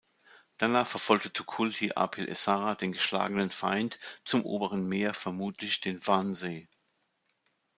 Danach verfolgte Tukulti-apil-Ešarra den geschlagenen Feind zum Oberen Meer, vermutlich den Vansee.